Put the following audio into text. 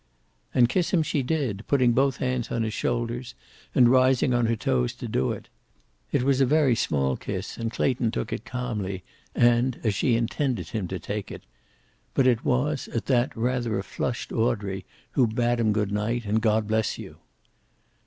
And kiss him she did, putting both hands on his shoulders, and rising on her toes to do it. It was a very small kiss, and Clayton took it calmly, and as she intended him to take it. But it was, at that, rather a flushed Audrey who bade him good night and God bless you.